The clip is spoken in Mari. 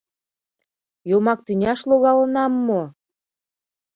— Йомак тӱняш логалынам мо?